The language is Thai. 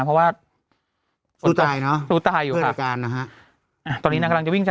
เพราะว่ารู้ตายเนอะรู้ตายอยู่ครับเพื่อนอาการนะฮะอ่ะตอนนี้นางกำลังจะ